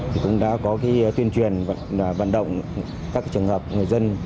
thì cũng đã có cái tuyên truyền vận động các cái trường hợp người dân